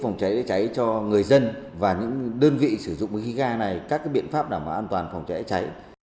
người dân và những đơn vị sử dụng khí ga này các biện pháp đảm bảo an toàn phòng cháy cháy